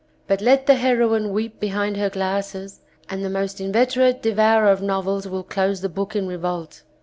But let the heroine weep behind her glasses and the most inveterate devourer of novels will close the book in revolt.